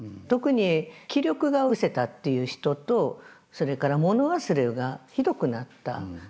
特に気力がうせたっていう人とそれから物忘れがひどくなった。